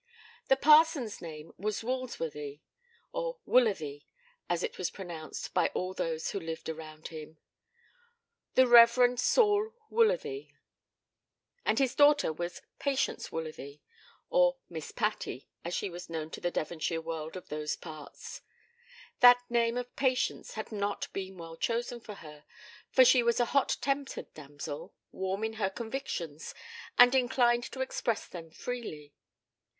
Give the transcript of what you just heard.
The parson's name was Woolsworthy or Woolathy as it was pronounced by all those who lived around him the Rev. Saul Woolsworthy; and his daughter was Patience Woolsworthy, or Miss Patty, as she was known to the Devonshire world of those parts. That name of Patience had not been well chosen for her for she was a hot tempered damsel, warm in her convictions, and inclined to express them freely.